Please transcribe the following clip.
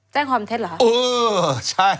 แจ้งความเท็ชเหรอค่ะเอ้อใช่